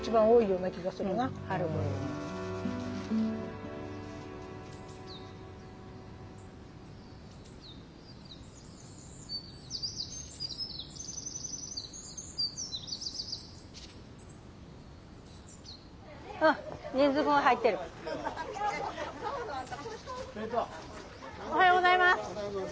おはようございます。